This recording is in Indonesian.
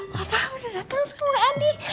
papa udah datang sama adi